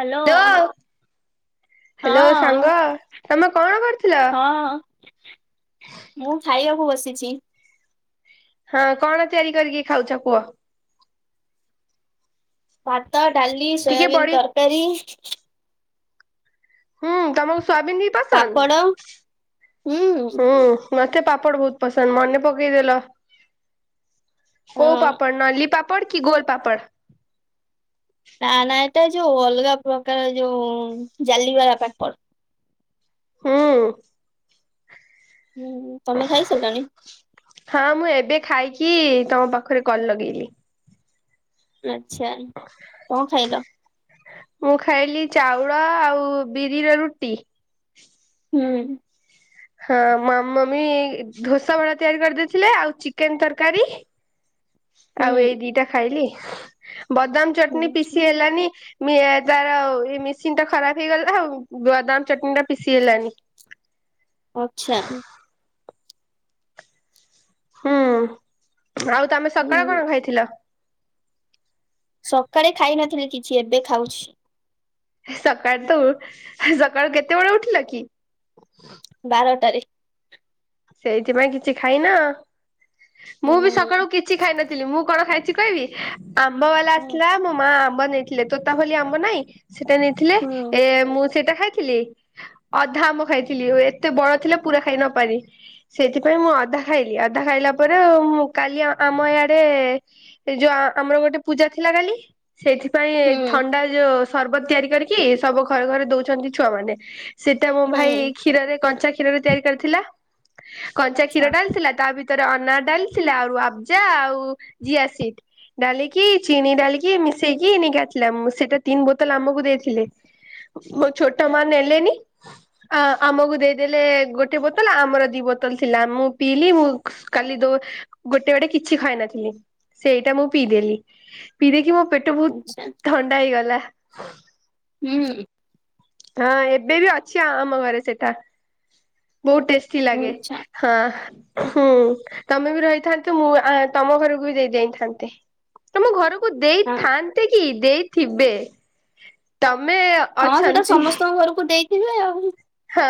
Hello hello ହଁ ସାଙ୍ଗ ତମେ କଣ କର ହଁ ମୁଁ ଖାଇବାକୁ ବସିଚି। ହଁ କଣ ତିଆରି କରିକି ଖାଉଛ କୁହ? ଭାତ, ଡାଲି, ଟିକେ ସୋୟାବିନ୍ ବଢି ତରକାରୀ। ହୁଁ ତମକୁ ସୋୟାବିନ ବି ପସନ୍ଦ ପାପଡ଼ ହୁଁ ହୁଁ ମ ମତେ ପାମ୍ପଡ ବହୁତ ପସନ୍ଦ ମନେ ପକେଇଦେଲ, ହଁ କୋଉ ପାମ୍ପଡ ନଲି ପାମ୍ପଡ କି ଗୋଲ ପାମ୍ପଡ। ନା ନା ଏଟା ଯୋଉ ଅଲଗା ପ୍ରକାର ଯୋଉ ଜାଲି ବାଲା ପାମ୍ପଡ। ହୁଁ। ହୁଁ, ତମେ ଖାଇସାଇଲଣିି? ହଁ, ମୁଁ ଏବେ ଖାଇକି ତମ ପାଖରେ କଲ ଲଗେଇଲି। ଆଚ୍ଛା। କଣ ଖାଇଲ? ମୁଁ ଖାଇଲି -ଚାଉଳ ଆଉ ବିରିର ରୁଟି। ହ ହୁଁ [inaudible] ହଁ ମମି ଦୋସା ଭଡ [unintelligible] ତିଆରି କରିଦେଇଥିଲେ ଆଉ ଚିକେନ ତରକାରୀ ଆଉ ଏଇ ହୁଁ ଦିଟା ଖାଇଲି। ବଦାମ ଚଟଣୀ ହୁଁ। ପିସି ହେଲାନି। ତାରଉ ଏ ମେସିନ୍ ଟା ଖରାପ ହେଇଗଲା ଆଉ ବଦାମ ଚଟଣି ଟା ପିଶି ହେଲଣି। [inaudible] ଆଛା। ହୁଁ, ଆଉ ତମେ ହୁଁ ସକାଳ କଣ ଖାଇଥିଲ? ସକାଳେ ଖାଇ ନଥିଲି କିଛି ଏବେ ଖାଉଛି। ସକାଳୁ ତ ସକାଳୁ କେତେବେଳେ ଉଠିଲ କି? ବାରଟାରେ। ସେଇଥିପାଇଁ କିଛି ଖାଇନ ମୁଁ ବି ସକାଳୁ ହୁଁ କିଛି ଖାଇ ନଥିଲି ମୁଁ କଣ ଖାଇଛି କହିବି ଆମ୍ବ ବାଲା ହୁଁ ଆସିଲା, ମୋ ମା ଆମ୍ବ ନେଇଥିଲେ ତୋତାପଲି ଆମ୍ବ ନାଇଁ ସେଟା ନେଇଥିଲେ, ଏ ମୁଁ ସେଇଟା ଖାଇଥିଲି, ଅଧା ଆମ୍ୱ ଖାଇଥିଲି ଏତେ ବଡ ଥିଲା ପୁରା ଖାଇ ନ ପାରି ସେଥିପାଇଁ ମୁଁ ଅଧା ଖାଇଲି, ଅଧା ଖାଇଲା ପରେ ମୁଁ କାଲି ଆମ ୟାଡେ ଯୋଉ ଆମର ଗୋଟେ ପୂଜା ଥିଲା କାଲି ସେଇଥିପାଇଁ ହୁଁ ଥଣ୍ଡା ଯୋଉ ସରବତ ତିଆରି କରିକି ସବୁ ଘରେ ଘରେ ଦଉଛନ୍ତି ଛୁଆମାନେ। ସେଇଟା ମୋ ହୁଁ ଭାଇ କ୍ଷୀରରେ, କଞ୍ଚା କ୍ଷୀରରେ ତିଆରି କରିଥିଲା କଞ୍ଚା ଆଚ୍ଛା କ୍ଷୀର ଡାଲିଥିଲା ତା ଭିତ ତାର ଅନାର ଡାଲିଥିଲା, ଆ ଆବ୍ଜା [unintelligible] ଆଉ ଚିଆ ସିଟ। ଡାଲିକି, ଚିନି ଡାଲିକି, ମିଶେଇକି ନେଇକି ଆସିଲା, ସେଇଟା ତିନ୍ ବୋତଲ ଆମକୁ ଦେଇଥିଲେ। ମୋ ଛୋଟ ମା ନେଲେନି, ଆ ଆମକୁ ଦେଇଦେଲେ ଗୋଟେ ବୋତଲ, ଆମର ଦି ବୋତଲ ଥିଲା, ମୁଁ ପିଇଲିି, ମୁଁ କାଲି ଦୋ ଗୋଟେ ବଡେ କିଛି ଖାଇ ନଥିଲି। ସେଇଟା ମୁଁ ପିଇଦେଲି, ପିଇଦେଇକି ମୋ ପେଟ ବହୁତ ଆଚ୍ଛା ଥଣ୍ଡା ହେଇଗଲା। ହୁଁ ହଁ ଏବେ ବି ଅଛି ଆମ ଘରେ ସେଟା ବହୁତ ଟେଷ୍ଟି ଲାଗେ, ଆଚ୍ଛା ହଁ ହୁଁ, ତମେ ବି ରହିଥାନ୍ତେ, ମୁଁ ଆ ତମ ଘରକୁ ବି ଦେଇ ଯାଇଥାନ୍ତେ, ତମ ଘରକୁ ହଁ। ଦେଇଥାନ୍ତେ କି? ଦେଇଥିବେ, ତମେ ହଁ ସେଟା ଅଛନ୍ତି ସମସ୍ତଙ୍କ ଘରକୁ ଦେଇଥିବେ ଆଉ ହଁ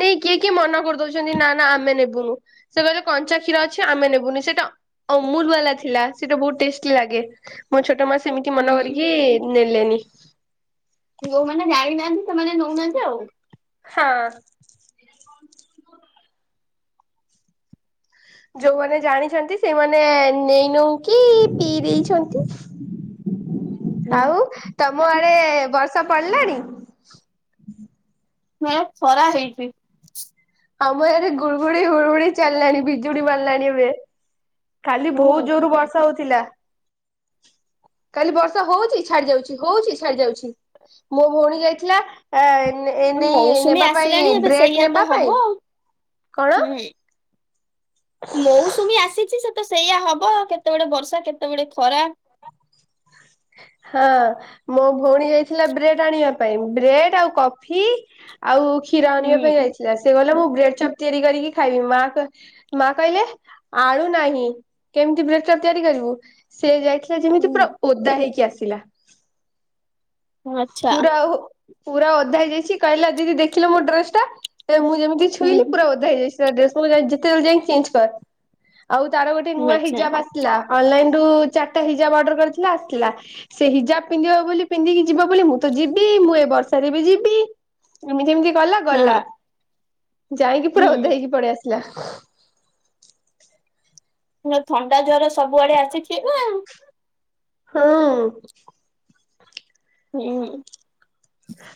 ନେଇ କିଏ କିଏ ମନା କରିଦଉଛନ୍ତି -ନା ନା ଆମେ ନେବୁନୁ, ସେ କହିଲେ କଞ୍ଚା କ୍ଷୀର ଅଛି ଆମେ [unintelligible] ସେଟା ଅମୁଲ ବାଲା ଥିଲା ସେଟା ବହୁତ ଟେଷ୍ଟି ଲାଗେ, ମୋ ଛୋଟ ମା ସେମିତି ହୁଁ ମନ କରିକି ନେଲେନି ଯୋଉମାନେ ଜାଣିନାହାନ୍ତି, ସେମାନେ ନଉନାହାନ୍ତି ଆଉ ହଁ ଯୋଉମାନେ ଜାଣିଛନ୍ତି ସେମାନେ ନେଇ ନଉକି ପିଇ ଦେଇଛନ୍ତି। ହୁଁ ଆଉ ତମ ଆଡେ ବର୍ଷା ପଡିଲାଣି। ହଁ ଖରା ହେଇଛି। ଆମର ଏରେ ଗୁଡ଼ୁଗୁଡି ଗୁଡ଼ଘୁଡି ଚାଲିଲାଣି ବିଜୁଡି ମାରିଲାଣି ଏଵେ କାଲି ବହୁତ ହଁ ଜୋର ବର୍ଷା ହଉଥିଲା। କାଲି ବର୍ଷା ହଉଛି ଛାଡି ଯାଉଛି, ହଉଛି ଛାଡି ଯାଉଛି ମୋ ଭଉଣୀ ଯାଇଥିଲା ଏ, ଏ ନେଇେଇ ମୌସୁମୀ ନେବା ପାଇଁ ଆସିଲାଣି ଏବେ ବ୍ରେଡ ସେଇଆ ତ ନେବା ହବ ପାଇଁ ଆଉ। କଣ? ମୋସୁମୀ ଆସିଛି ସେ ତ ସେଇଆ ହବ, କେତେବେଡେ ବର୍ଷା, କେତେବେଡେ ଖରା ହଁ [inaudible] ହଁ ମୋ ଭଉଣୀ ଯାଇଥିଲା ବ୍ରେଡ ଆଣିବା ପାଇଁ ବ୍ରେଡ ଆଉ କଫି ଆଉ କ୍ଷୀର ଆଣିବା ପାଇଁ ହୁଁ ଯାଇଥିଲା ସେ ଗଲା ମୁଁ ବ୍ରେ ପ୍ ତିଆରି କରିକି ଖାଇବି ମା ମା କହିଲେ ଆଳୁ ନାହିଁ। କେମିତି ବ୍ରେଡଚପ ତିଆରି କରିବୁ ସେ ଯାଇଥିଲା ଯେମିତି ପୁରା ହୁଁ ଓଦା ହେଇକି ଆସିଲା। ଆଛା। ପୁରା ପୁରା ଓଦା ହେଇଯାଇଚି କହିଲା ଦିଦି ଦେଖିଲ ମୋ ଡ୍ରେସ ଟା ମୁଁ ଯେମିତି ଛୁଇଁଲି ହୁଁ ପୁରା ଓଦା ହେଇଯାଇଛି। ସେ ଡ୍ରେସକୁ ଯେତେବେଳେ ଯାଇକି ଚେଞ୍ଜ କର ଆଉ ତାର ଗୋଟେ ନୂଆ ଆଚ୍ଛା ହିଜାବ ଆସିଲା। ଅନଲାଇନରୁ ଚାରିଟା ହିଜାବ ଅର୍ଡର କରିଥିଲା ଆସିଥିଲା ସେ ହିଜାବ ପିନ୍ଧିବ ବୋଲି ପିନ୍ଧିକି ଯିବ ବୋଲି ମୁଁ ତ ଯିବି ମୁଁ ଏ ବର୍ଷରେ ବି ଯିବି ଏମିତି ଏମିତି ଗଲା ଗଲା ହଁ ଯାଇକି ପୁରା ଓଦା ହେଇକି ପଳେଇ ଆସିଲା। ଥଣ୍ଡା ଜର ସବୁଆଡେ ଆସିଚି ଏବେ ହଁ। ହୁଁ।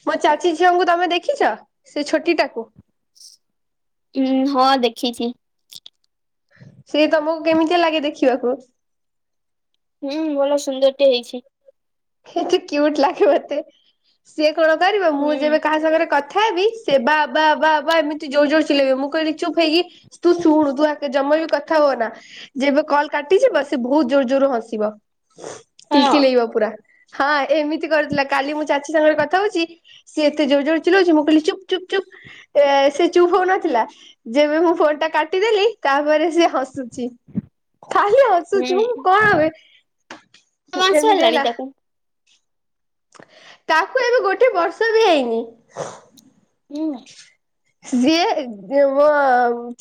ମୋ ଚାଚୀ ଝିଅଙ୍କୁ ତମେ ଦେଖିଛ ସେ ଛୋଟି ଟାକୁ ହୁଁ ହଁ ଦେଖିଛି। ସିଏ ତମକୁ କେମିତି ଲାଗେ ଦେଖିବାକୁ ହୁଁ ଭଲ ସୁନ୍ଦର ଟେ ହେଇଛି। ଖେତେ କିୟୁଟ ଲାଗେ ମତେ ସିଏ କଣ କରିବ ମୁଁ ହୁଁ ଯେବେ କାହା ସାଙ୍ଗରେ କ ଥାଏବି ସେ ବା ବା ବା ଏମିତି ଜୋର୍ ଜୋର୍ ଚିଲେଇବେ ମୁଁ କହିଲି ଚୁପ ହେଇକି ତୁ ଶୁଣୁ ତୁ ଆଗେ ଜମା ତମ ବି କଥା ହୁଅ ନା ଯେବେ କଲ କାଟି ଯିବ ସେ ବହୁତ ଜୋର୍ ଜୋର୍ ହସିବ। ହଁ କିଲକିଲେଇବ ପୁରା ହଁ ଏମିତି କରିଥିଲା କାଲି ମୁଁ ଚାଚୀ ସାଙ୍ଗରେ କଥା ହଉଚି ସିଏ ଏତେ ଜୋର୍ ଜୋର୍ ଚିଲଉ ମୁଁ କହିଲି ଚୁପ୍ ଚୁପ୍ ଚୁପ୍ ଏ ସେ ଚୁପ୍ ହୋଉନଥିଲା ଯେବେ ମୁଁ ଫୋନ୍ ଟା କାଟିଦେଲି ତାପରେ ସିଏ ହସୁଚି ଖାଲି ହସୁଚି ହୁଁ। ମୁଁ କଣ ବେ ମାସ ଏମିତି ହେଲାଣି ହେଲା ତାକୁ। ତାକୁ ଏବେ ଗୋଟେ ବର୍ଷ ବି ହେଇନି ହୁଁ। ସିଏ ଦ ମୋ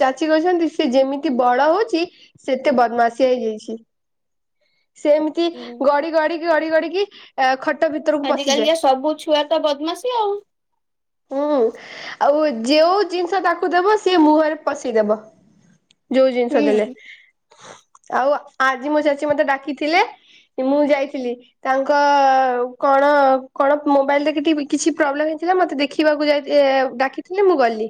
ଚାଚୀ କୋହୁଚନ୍ତି ସିଏ ଯେମିତି ବଡ ହଉଛି ସେତେ ବ ବଦ୍ମାସିଆ ହେଇଯାଇଛି। ସେମିତି ଗଡି ଗଡିିକି ଗଡି ଗଡିକି ଆଁ ଖ ଆଜି କାଲି ସବୁ ଛୁଆ ତ ବଦ୍ମାସି ଆଉ। ହୁଁ ଆଉ ଯେଉ ଜିନିଷ ତାକୁ ଦେବ ସେ ମୁହଁରେ ପଶେଇଦବ। ଯୋଉ ଜିନିଷ ଦେଲେ ହୁଁ। ଆଉ ଆଜି ମୋ ଚାଚୀ ମତେ ଡାକିଥିଲେ ମୁଁ ଯାଇଥିଲି ତାଙ୍କ ଅ କଣ କଣ ମୋବାଇଲରେ କିଛି ପ୍ରୋବ୍ଲେମ ଥିଲା ମତେ ଦେଖିବାକୁ ଯାଇ ଏ ଡାକିଥିଲେ ମୁଁ ଗଲି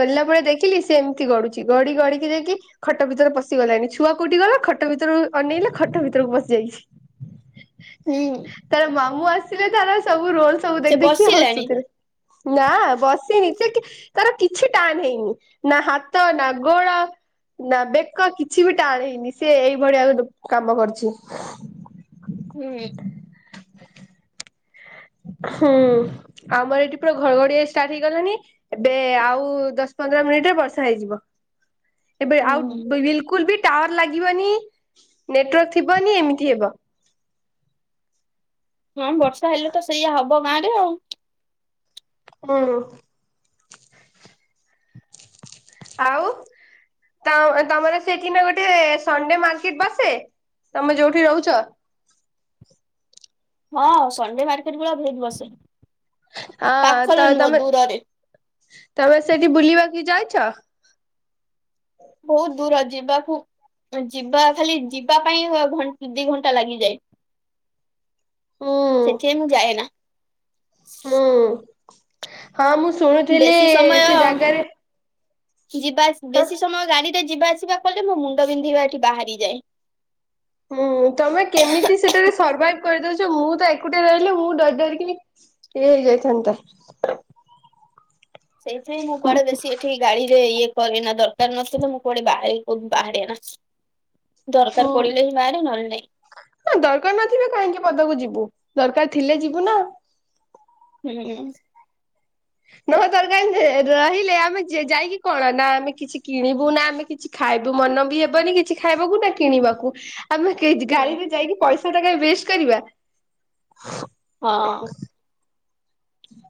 ଗଲା ପରେ ଦେଖିଲି ସେ ଏମିତି ଗଡୁଛି ଗଡି ଗ ଗଡିକି ଯାଇକି ଖଟ ଭିତରେ ପସିଗଲାଣି ଛୁଆ କୋଉଠି ଗଲା ଖଟ ଭିତରୁ ଅନେଇଲେ ଖଟ ଭିତ ଭିତରୁକୁ ବସିଯାଇଛି। ହୁଁ। ମୁଁ ଆସିଲି ତାର ସବୁ ରୋଲ ସବୁ ସେ ଦେଖି ଦେଖି ବସିଲାଣି। ହସୁଥିବେ। ନାଆ ବସିନି ଯେ ତାର କିଛି ଟାନ ହେଇନି ନା ହାତ ନା ଗୋଡ ନା ବେକ କିଛି ବି ଟାଣ ହେଇନି ସେ ଏଇଭଳିଆ କାମ କରୁଛି। ହୁଁ। ହଁ [unintelligible] ହୁଁ ଆମର ଏଇଠି ପୁରା ଘଡଘଡିଆ ଷ୍ଟାର୍ଟ ହେଇଗଲାଣି। ଏବେ ଆଉ ଦଶ ପନ୍ଦର ମିନିଟରେ ବର୍ଷା ହେଇଯିବ ଏବେ ଆଉ ହୁଁ। ବିଲକୁଲବି ଟାୱାର ଲାଗିବନି ନେଟୱାର୍କ ଥିବନି ଏମିତି ହେବ। ହଁ ବର୍ଷା ହେଲେ ତ ସେଇଆ ହବ ଗାଁ ରେ ଆଉ। ହୁଁ। ଆଉ ତ ତମର ସେଠି ନା ଗୋଟେ ସନ୍ଡେ ମାର୍କେଟ ବାସେ ତମେ ଯୋଉଠି ରହୁଛ। ହଁ ସଣ୍ଡେ ମାର୍କେଟ ଭଳିଆ ବୋହୁତ ବସେ। ହଁ ତ ପାଖରେ ନୁହଁ ତମେ ଦୂରରେ ତମେ ସେଠି ବୁଲିବାକୁ କି ଯାଇଚ? ବହୁତ୍ ଦୂର ଯିବାକୁ ଯିବା ଖାଲି ଯିବା ପାଇଁ ଘଂ ଦି ଘଣ୍ଟା ଲାଗିଯାଏ। ହୁଁ ସେଥିପାଇଁ ମୁଁ ଯାଏନା। ହୁଁ ହଁ ମୁଁ ଶୁଣୁଥିଲି ବେଶୀ ସମୟ ସେ ଜାଗାରେ ଯିବା ହଁ ବେଶୀ ସମୟ ଗାଡିରେ ଯିବା ଆସିବା କଲେ ମୋ ମୁଣ୍ଡ ବିନ୍ଧିବା ଏଠି ବାହାରି ଯାଏ। ହୁଁ। ତମେ କେମିତି ସେଠାରେ ସର୍ଭାଇଭ କରିଦଉଚ ମୁଁ ତ ଏକୁଟିଆ ରହିଲେ ମୁଁ ଡର୍ ଡରିକି ଇଏ ହେଇ ଯାଇଥାନ୍ତା। ସେଇଥିପାଇଁ ମୁଁ ହୁଁ କୁଆଡେ ବେଶୀ ଏଠି ଗାଡି ରେ ଇଏ କରନା ଦରକାର ନଥିଲା ମୁଁ କୁଆଡେ ବାହାରି କଉଠି ବାହାର ନା। ହୁଁ ଦରକାର ପଡିଲେ ଯାଏ ନହେଲେ ନାଇଁ। ମନକୁ ଯିବୁ ଦରକାର ଥିଲେ ଯିବୁ ନା। ହୁଁ। ନହ ତର କ ରହିଲେ ଆମେ ଯାଇକି କଣ ନା ଆମେ କିଛି କିଣିବୁ ନା ଆମେ କିଛି ଖାଇ- ଖାଇବୁ ମନ ବି ହେବନି କିଛି ଖାଇବାକୁ ନା କିଣିବାକୁ। ଆମେ ହୁଁ। ଗାଡିରେ ଯାଇକି ପଇସା ଟା ୱେଷ୍ଟ କରିବା। ହଁ।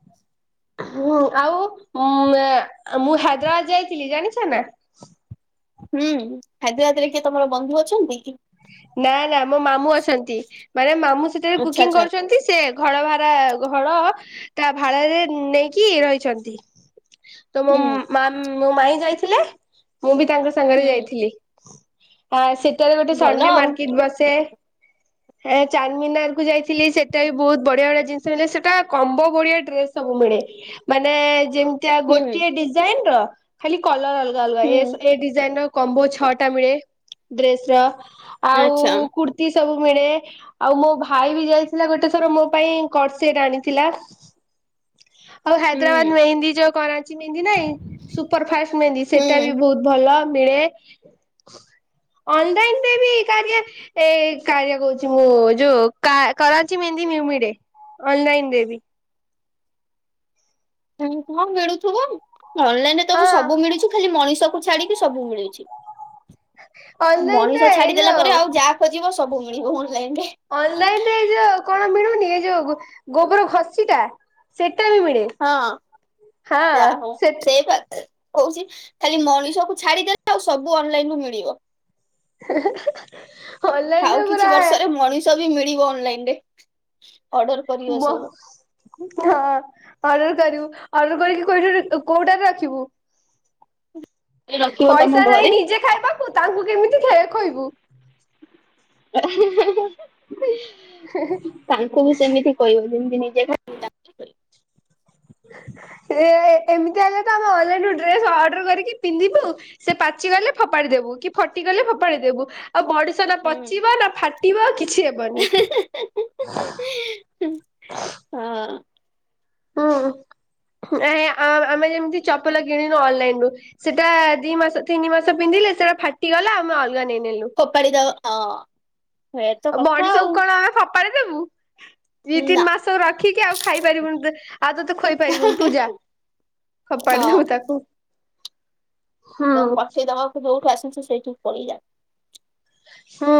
[inaudible] ହ ଆଉ ମୁଁ ହାଇଦ୍ରାବାଦ ଯାଇଥିଲି ଜାଣିଛ ନା? ହୁଁ ହାଇଦ୍ରାବାଦରେ କିଏ ତମର ବନ୍ଧୁ ଅଛନ୍ତି କି? ନା ନା ମୋ ମାମୁଁ ଅଛନ୍ତି ମାନେ ମାମୁଁ ସେଠାରେ ଆଚ୍ଛା କୁକିଂ ଆଚ୍ଛା କରୁଛନ୍ତି ସେ। ଘଡ ଭାରା ଘଡ ତା ଭାଡାରେ ନେଇକି ରହିଛନ୍ତି। ତ ମୋ ହୁଁ ମା ମାଇଁ ଯାଇଥିଲେ ମୁଁ ବି ତାଙ୍କ ସାଙ୍ଗରେ ହୁଁ ଯାଇଥିଲି। ଆ ସେଠାରେ ଗୋଟେ ଭଲ ସାନଡେ ଆଉ ମାର୍କେଟ ବସେ। ଏ ଚାରମିନାର କୁ ଯାଇଥିଲି। ସେଟା ବି ବହୁତ ବଢିଆ ବଢିଆ ଜିନିଷ ମିଳେ। ସେଟା କମ୍ବ ବଢିଆ ଡ୍ରେସ ସବୁ ମିଳେ। ମାନେ ଯେମତି। ହୁଁ ଗୋଟିଏ ଡିଜାଇନ ର ଖାଲି କଲର ଅଲଗା ଅଲଗା ଏ ହୁଁ ଏ ଡିଜାଇନ ର। କମ୍ବୋ ଛଅଟା ମିଳେ ଡ୍ରେସ ର ଆଉ ଆଚ୍ଛା କୁତି। ସବୁ ମିଳେ ଆଉ ମୋ ଭାଇ ବି ଯାଇଥିଲା ଗୋଟେ ଥର ମୋ ପାଇଁ କରସଟ ଆଣିଥିଲା। ହ। ଆଉ ହୁଁ ହାଇଦ୍ରାବାଦ ମେହେନ୍ଦୀ ଯୋଉ କରାଚି ମେହନ୍ଦୀ ନାଇଁ ସୁପର ଫାଷ୍ଟ ମେହେନ୍ଦୀ ସେଟା ବି ହୁଁ ବହୁତ ଭଲ। ମିଳେ ଅନଲାଇନ। [unintelligible] କାରିଆ ଏ କାରିଆ କହୁଛି ମୁଁ ଯୋଉ କରାଚି ମେହେନ୍ଦି ମିଳେ। ଅନ୍ଲାଇନରେ ବି। ହଁ ମିଳୁଥିବ ଅନଲାଇନ୍ ରେ ତ ହଁ ସବୁ ମିଳୁଚି ଖାଲି ମଣିଷ କୁ ଛାଡିକି ସବୁ ମିଳୁଛି। ଅନଲାଇନ ମଣିଷ ରେ ଏଇ ଛାଡିଦେଲା ଯୋଉ ପରେ ଆଉ ଯାହା ଖୋଜିବ ସବୁ ମିଳିବ ଅନଲାଇନ୍ ରେ। ଅନଲାଇନ୍ ରେ ଏଇ ଯୋଉ କଣ ମିଳୁନି ଏଇ ଯୋଉ ଗୋବର ଘଷି ଟା ସେ ହଁ ଯାହୋଉ ସେ ପା। କୋହୁଚି ଖାଲି ମଣିଷ କ ଛାଡିଦଲେ ଆଉ ସବୁ ଅନଲାଇନ୍ ରୁ ମିଳିବ। ଆଉ ଅନଲାଇନରେ ପୁରା କିଛି ବର୍ଷରେ ମଣିଷ ବି ମିଳିବ ଅନଲାଇନ୍ ରେ। ଅର୍ଡର କରିବ ମ ସବୁ। ହଁ। ଅର୍ଡର କରିବୁ ଅର୍ଡର କରିକି କୋଉଠି କୋଉଟାରେ ରଖିବୁ? ରଖିବ ତମ ପଇସା ନାହିଁ ଘରେ ନିଜେ ଖାଇବାକୁୁ ତାଙ୍କୁ କେମିତି ଖାଏ-ଖୋଇବୁ? ତାଙ୍କୁ ବି ସେମିତି କହିବ ଯେମ୍ ନିଜ। [unintelligible] ହ ଏ-ଏମିତି ହେଲେତ ଆମେ ଅନଲାଇନରୁ ଡ୍ରେସ ଅର୍ଡର କରିକି ପିନ୍ଧିବୁ ସେ ପାଚି ଗଲେ ଫୋପାଡିି ଦେବୁ ଫଟିଗଲେ ଫୋପାଡି ଦେବୁ ଆଉ ମଣିଷ ନା ହୁଁ ପଚିବ ନା ଫାଟିବ କି ଛି ହେବନି। ହଁ ହଁ। ଆ-ଆମେ ଯେମତି ଚପଲ କିଣିଲୁ ଅନଲାଇନ ରୁ ସେଟା ଦି ମାସ ତିନି ମାସ ପିନ୍ଧି ସେଟା ଫାଟିଗଲା ଆମେ ଅଲଗା ନେଇନେଲୁ କୋପାଡି ଦଁ ଏୟାତ କଥା ବଡିସକୁ ଆଉ କଣ ଆମେ ଫୋପାଡି ଦେବୁ। ଦି ତିନି ନା ମାସ ରଖିକି ଆଉ ଖାଇପାରିବୁନି ଆଉ ତତେ ଖୋଇପାରିବୁନି ତୁ ଜା। ହଁ ଫୋପାଡ଼ି ଦବୁ ତାକୁ ହୁଁ ଯ ପଠେଇ ଦବ ଯୋଉଠି ଆସିଛୁ, ସେଇଠୁ ପଳେୟା ହଁ।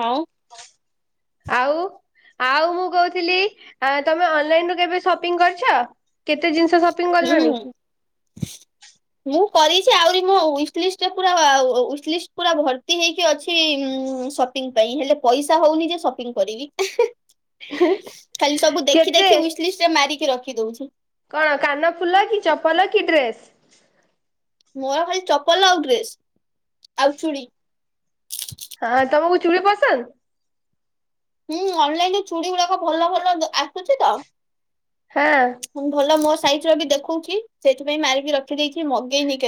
ଆଉ। ଆଉ। ଆଉ ମୁଁ କହୁଥିଲି ଅ ତମେ ଅନଲାଇନ ରୁ କେବେ ସପିଂ କରିଛ କେତେ ଜିନି? ସପିଂ କଲାଣି? ହୁଁ। ମୁଁ କରିଛି ଆହୁରି ମୋ ଉଇଜି ଲିଷ୍ଟଟା ପୁରା ଉଇଜଲିଷ୍ଟ ପୁରା ଭର୍ତ୍ତି ହେଇକି ଅଛି। ସପିଂ ପାଇଁ ହେଲେ ପଇସା ହଉନି ଯେ ସପିଂ କରିବି। ଖାଲି ସବୁ ଦେଖି କେତେ ଦେଖି ଉଇଜ ଲିଷ୍ଟ ମମାରିକି ରଖି ଦଉଛି। କଣ କାନ ଫୁଲ କି ଚପଲ କି ଡ୍ରେସ୍? ମୋର ଖାଲି ଚପଲ ଆଉ ଡ୍ରେସ୍ ଆଉ ଚୁଡ଼ି। ହଁ ତମକୁ ଚୁଲି ପସନ୍ଦ? ହୁଁ ଅନଲାଇନରେ ଚୁଡି ଗୁଡାକ ଭଲ ଭଲ ଆସୁଛି ତ। ହଁ ମୁଁ ଭଲ ମୋ ସାଇଜର ବି ଦେଖଉଛି ସେଇଥିପାଇଁ ମାରିକି ରଖିଦେଇଛି ମଗେଇ ନେଇ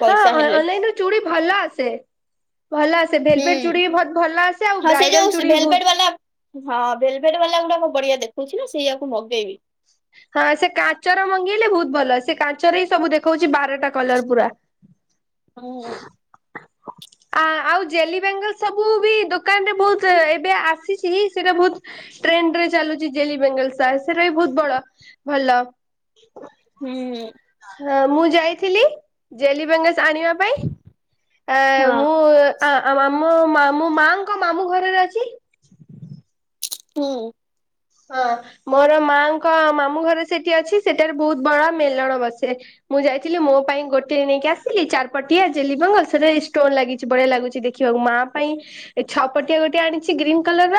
ହଁ ହେଲେ ଅ-ଅନଲାଇନ ଚୁଡ଼ି ଭଲ ଆସେ। ଭଲ ଆସେ ହୁଁ ଭେଲବେଟ ଚୁଡି ବି ଭଲ ଆସେ। ଆଉ ହଁ ସେଇ ବ୍ରାଇଡାଲ ଯୋଉ ଚୁଡ଼ି ବି ବହୁତ ଭେଲଭେଟ ବାଲା ହଁ ଭେଲଭେଟ ବାଲା ଗୁଡା ମୁଁ ବଢିଆ ଦେଖଉଛି ନା ସେଇୟାକୁ ମଗେଇବି। ହ [unintelligible] ହଁ ସେ କାଚର ମଙ୍ଗେଇଲେ ବହୁତ ଭଲ ସେ କାଚର ହିଁ ସବୁ ଦେଖଉଛି ବାରଟା କଲର ପୁରା। ହୁଁ [unintelligible] ହୁଁ। [inaudible] ଆ ଆଉ ଜେଲି ବେଙ୍ଗଲ ସବୁ ବି ଦୋକାନରେ ବହୁତ ଏବେ ଆସିଛି ସେଇଟା ବହୁତ ଟ୍ରା ଟ୍ରେଣ୍ଡରେ ଚାଲୁଛି ଜେଲି ବେଙ୍ଗଲସ ସେଟା ବି ବହୁତ ବଡ ଭଲ। ହୁଁ। ହଁ ମୁଁ ଯାଇଥିଲି ଜେଲିିବଙ୍ଗସ ଆଣିବା ପାଇଁ। ଆ ହଁ ମୁଁ ଆ-ଆ। ମୋ ମାମୁ ମାଙ୍କ ମାମୁଁ ଘରେ ଅଛି। ହୁଁ। ହଁ ମୋର ମାଙ୍କ ମାମୁଁ ଘରେ ସେଠି ଅଛି ସେଠାରେ ବହୁତ ବଡ ମେଲଣ ବସେ। ମୁଁ ଯାଇଥିଲି ମୋ ପାଇଁ ଗୋଟେ ନେଇକି ଆସିଲି ଚାରିପଟିଆ ଯେଲି ବଙ୍ଗଲ ସେ ଷ୍ଟୋନ ଲାଗିଛି ବଢିଆ ଲାଗୁଛି ଦେଖି। [unintelligible] ମା ପାଇଁ ଏ ଛଅପଟିଆ ଗୋଟେ ଆଣିଛି ଗ୍ରୀନ୍ କଲର ର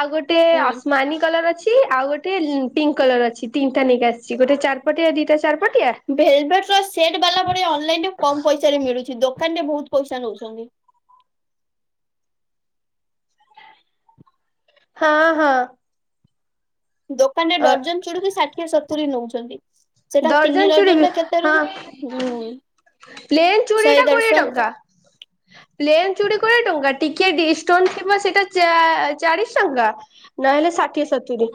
ଆଉ ଗୋଟେ ହୁଁ ଅସ୍ମା କଲର ଅଛି ଆଉ ଗୋଟ ଏ ପିଙ୍କ କଲର ଅଛି ତିନିଟା ନେଇକି ଆସିଛି ଗୋଟେ ଚାରପଟିଆ ଦିଟା ଚର ଭେଲଭେଟ ର ସେଟ ବାଲା ପରେ ଅନଲାଇନ କମ ପଇସାରେ ମିଳୁଛି ଦୋ ଦୋକାନ ରେ ବହୁତ ପଇସା ନଉଛନ୍ତି। ହଁ ହଁ। ଦୋକାନରେ ଡଜନ ଚୁଡୁକୁ ଷାଠିଏ ସତୁରି ନଉଛନ୍ତି। ସେଟା ତିନି ଦର୍ଜନ ଟା କେତେର ହୁଁ। ପ୍ଲେନ ଚୁଡ଼ି ଟା କୋଡିଏ ଟଙ୍କା। ପ୍ଲେନ୍ ଚୁଡ଼ି କୋଡ଼ିଏ ଟଙ୍କା ଟିକିଏ ଡ଼ିସ ଷ୍ଟୋନ ଥିବ ସେଇଟା ଚା ଚାଳିଶ ଟଙ୍କା ନହେଲେ ଷାଠିଏ ଦେଢଶହ ସତୁୁରୀ